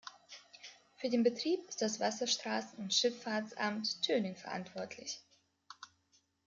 Für den Betrieb ist das Wasserstraßen- und Schifffahrtsamt Tönning verantwortlich.